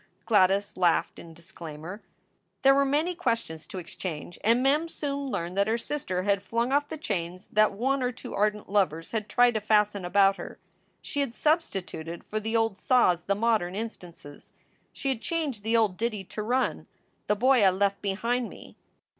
Gladys laughed in disclaimer. There were many questions to exchange and Mem soon learned that her sister had flung off the chains that one or two ardent lovers had tried to fasten about her. She had substituted for the old saws the modern instances. She had changed the old ditty to run, "The boy I left behind me."